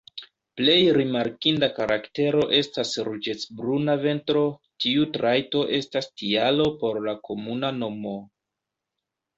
Plej rimarkinda karaktero estas ruĝecbruna ventro, tiu trajto estas tialo por la komuna nomo.